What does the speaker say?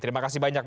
terima kasih banyak